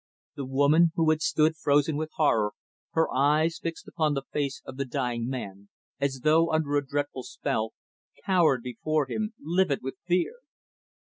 The woman who had stood, frozen with horror, her eyes fixed upon the face of the dying man, as though under a dreadful spell cowered before him, livid with fear.